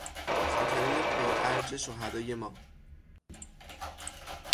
خاطرهی پرارج شهدای ما